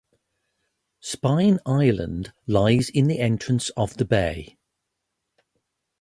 Spine Island lies in the entrance of the bay.